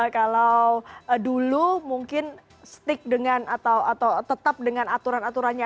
kalau dulu mungkin tetap dengan aturan aturannya